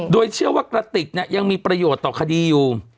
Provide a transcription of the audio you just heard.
โดยเชื่อว่ากระติกยังมีประโยชน์ต่อคดีอยู่